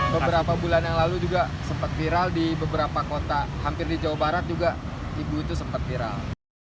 beberapa bulan yang lalu juga sempat viral di beberapa kota hampir di jawa barat juga ibu itu sempat viral